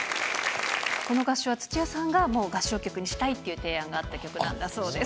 この楽曲は土屋さんがもう合唱曲にしたいという提案があった曲だそうです。